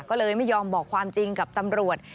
ก็เลยไม่ยอมบอกความจริงกับตำรวจ